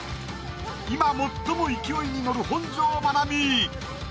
今最も勢いに乗る本上まなみ。